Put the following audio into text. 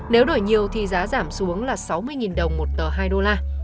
nếu đổi nhiều thì giá giảm xuống là sáu mươi đồng một tờ hai đô la